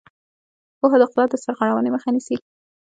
پوهه د قدرت د سرغړونې مخه نیسي.